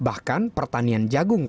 bahkan pertanian jagungnya